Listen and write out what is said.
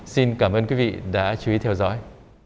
xin cảm ơn quý vị đã chú ý theo dõi